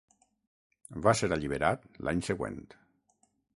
Va ser alliberat l'any següent.